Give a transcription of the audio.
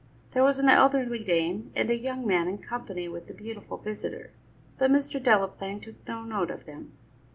There was an elderly dame and a young man in company with the beautiful visitor, but Mr. Delaplaine took no note of them.